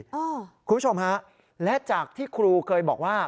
คุณผู้ชมฮะและจากที่ครูเคยบอกว่า